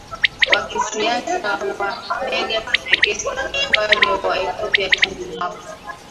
wa kisiasa wa Negus Negesti Mfalme wa Ethiopia Tangu mwaka